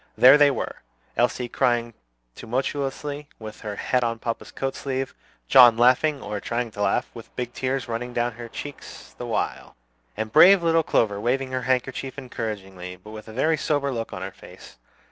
There they were: Elsie crying tumultuously, with her head on papa's coat sleeve; John laughing, or trying to laugh, with big tears running down her cheeks the while; and brave little Clover waving her handkerchief encouragingly, but with a very sober look on her face.